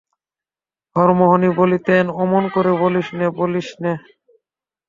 হরিমোহিনী বলিতেন, অমন করে বলিস নে, বলিস নে।